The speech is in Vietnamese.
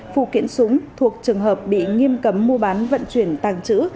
phụ kiện súng thuộc trường hợp bị nghiêm cấm mua bán vận chuyển tàng trữ